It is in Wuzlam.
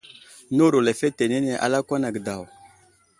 Newuro lefetenene a lakwan age daw.